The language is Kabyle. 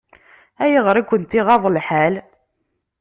Ayɣer i kent-iɣaḍ lḥal?